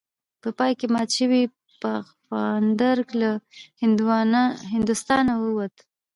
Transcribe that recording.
په پای کې مات شوی پفاندر له هندوستانه ووت.